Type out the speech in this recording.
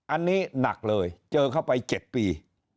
อันนี้หนักเลยเจอเข้าไป๗ปี